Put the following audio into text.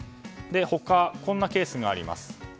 他、こんなケースがあります。